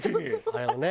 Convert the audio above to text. あれもね。